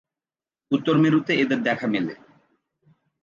উত্তর মেরুতে এদের দেখা মেলে।